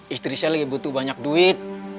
istri saya lagi butuh banyak duit